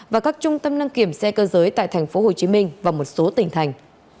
và các trung tâm đăng kiểm xe cơ giới tại tp hcm và một số tỉnh thành